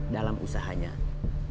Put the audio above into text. dalam hal yang lain